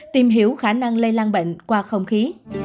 tìm hiểu khả năng lây lan bệnh qua không khí